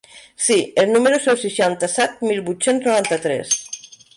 Sí, el número és el seixanta-set mil vuit-cents noranta-tres.